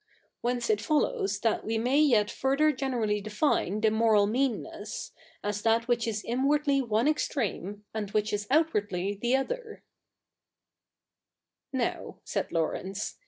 Whence it folloivs that ive may vet further generally define the moral meanness, as that which is inwardly one extrenie, and which is outwardly the other J ' Now,' said Laurence.